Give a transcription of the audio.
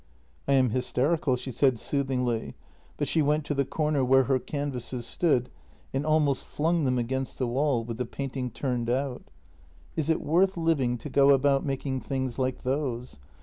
"" I am hysterical," she said soothingly, but she went to the JENNY 267 corner where her canvases stood and almost flung them against the wall, with the painting turned out: " Is it worth living to go about making things like those?